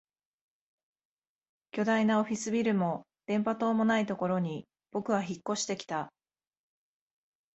巨大なオフィスビルも電波塔もないところに僕は引っ越してきた